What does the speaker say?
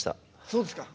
そうですか。